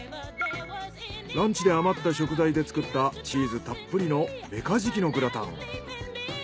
ランチで余った食材で作ったチーズたっぷりのメカジキのグラタン。